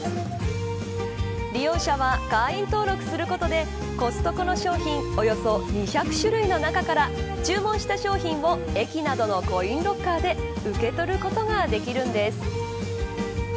利用者は、会員登録することでコストコの商品およそ２００種類の中から注文した商品を駅などのコインロッカーで受け取ることができるんです。